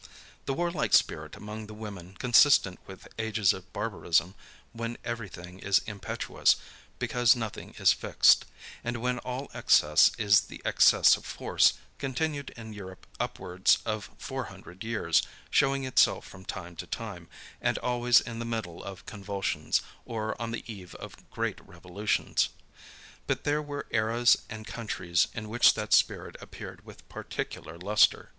The warlike spirit among the women, consistent with ages of barbarism, when every thing is impetuous because nothing is fixed, and when all excess is the excess of force, continued in Europe upwards of four hundred years, showing itself from time to time, and always in the middle of convulsions, or on the eve of great revolutions. But there were eras and countries, in which that spirit appeared with particular lustre.